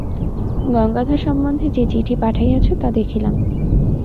গঙ্গাধর সম্বন্ধে যে চিঠি পাঠাইয়াছ, তা দেখিলাম।